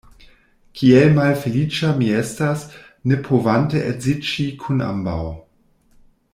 Kiel malfeliĉa mi estas, ne povante edziĝi kun ambaŭ.